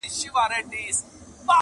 چي د پېزوان او د نتکۍ خبره ورانه سوله -